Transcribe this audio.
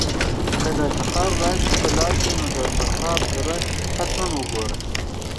که د تخار ولایت ته لاړ شې نو د فرخار دره حتماً وګوره.